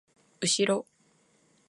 うしろ